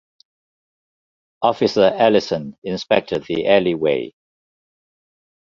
Officer Ellison inspected the alleyway.